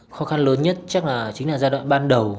khó khăn lớn nhất chắc là chính là giai đoạn ban đầu